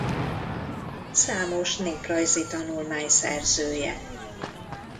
Számos néprajzi tanulmány szerzője.